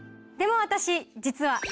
でも私実は。